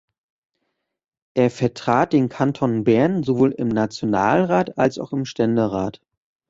Er vertrat den Kanton Bern sowohl im Nationalrat als auch im Ständerat.